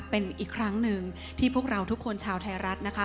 เป็นอีกครั้งหนึ่งที่พวกเราทุกคนชาวไทยรัฐ